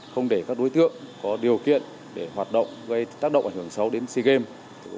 không để các đối tượng có điều kiện để hoạt động gây tác động ảnh hưởng xấu đến sea games